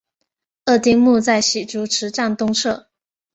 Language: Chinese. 二丁目在洗足池站东侧。